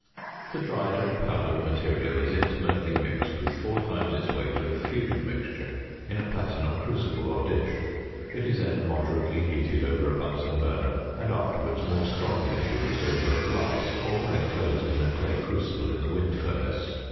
The dried and powdered material is intimately mixed with four times its weight of "fusion mixture" in a platinum crucible or dish. It is then moderately heated over a Bunsen burner, and afterwards more strongly fused over a blast, or enclosed in a clay crucible in the wind furnace.